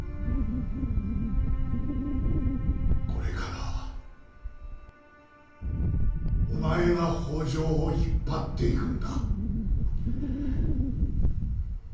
これからはお前が北条を引っ張っていくんだ。